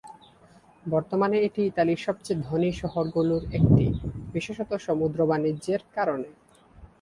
বর্তমানে এটি ইতালির সবচেয়ে ধনী শহরগুলোর একটি, বিশেষত সমুদ্র বাণিজ্যের কারণে।